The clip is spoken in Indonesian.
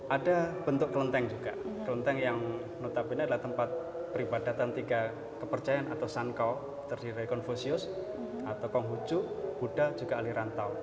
ada bentuk kelenteng juga kelenteng yang notabene adalah tempat peribadatan tiga kepercayaan atau sankau terdiri dari konfusius atau konghucu buddha juga alirantau